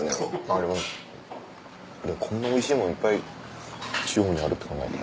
でもこんなおいしいものいっぱい地方にあるって考えたら。